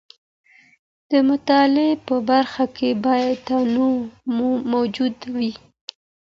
د مطالعې په برخه کي باید تنوع موجوده وي.